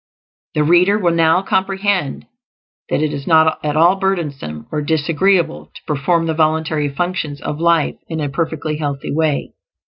The reader will now comprehend that it is not at all burdensome or disagreeable to perform the voluntary functions of life in a perfectly healthy way.